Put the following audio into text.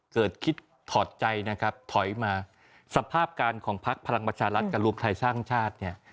เกิดคิดถอดใจนะครับถอยมาสภาพการของพักพลังประชารัฐกับรวมไทยสร้างชาติเนี่ย